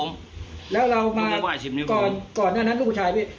หมอเซพไปก่อนเกือบกว่าเพิ่งไหม